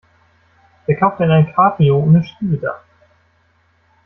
Wer kauft denn ein Cabrio ohne Schiebedach?